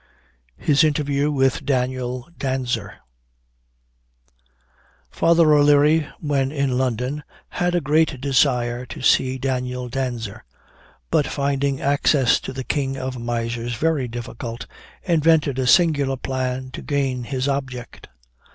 '" HIS INTERVIEW WITH DANIEL DANSER. Father O'Leary, when in London, had a great desire to see Daniel Danser; but finding access to the king of misers very difficult, invented a singular plan to gain his object.